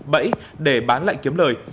bẫy để bán lại kiếm lời